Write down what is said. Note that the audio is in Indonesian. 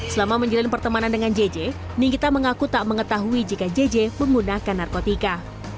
selama menjalin pertemanan dengan jj nikita mengaku tak mengetahui jika jj menggunakan narkotika